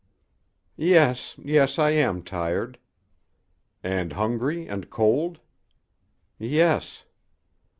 "Yes yes I am tired " "And hungry and cold?" "Yes."